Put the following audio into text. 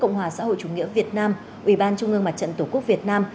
cộng hòa xã hội chủ nghĩa việt nam ủy ban trung ương mặt trận tổ quốc việt nam